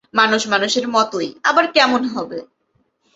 মানুষ মানুষের মতোই, আবার কেমন হবে!